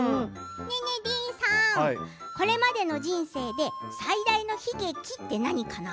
ディーンさん、これまでの人生で最大の悲劇って何かな？